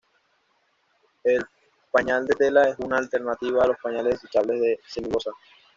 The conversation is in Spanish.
El pañal de tela es una alternativa a los pañales desechables de celulosa.